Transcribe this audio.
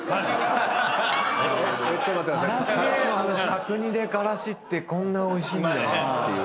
角煮でからしってこんなおいしいんだなっていう。